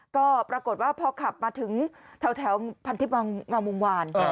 ก็ปรากฏว่าพอขับมาถึงแถวพันธิบงว่าน